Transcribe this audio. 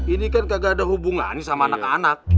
ini kan gak ada hubungan sama anak anak